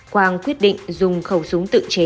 quang quyết định dùng khẩu súng tự chế